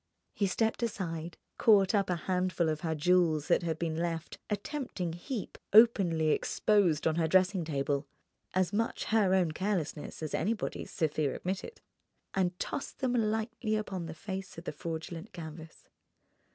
He stepped aside, caught up a handful of her jewels that had been left, a tempting heap, openly exposed on her dressing table (as much her own carelessness as anybody's, Sofia admitted) and tossed them lightly upon the face of the fraudulent canvas.